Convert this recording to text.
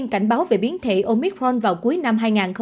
ông peacock đã nói về biến thể omicron vào cuối năm hai nghìn hai mươi một